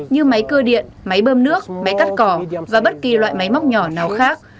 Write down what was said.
như máy cơ điện máy bơm nước máy cắt cỏ và bất kỳ loại máy móc nhỏ nào khác